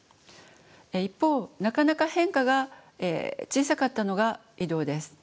一方なかなか変化が小さかったのが移動です。